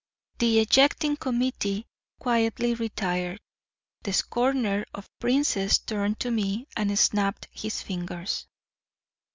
The ejecting committee quietly retired. The scorner of princes turned to me and snapped his fingers.